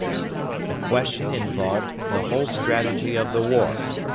The question involved the whole strategy of the war.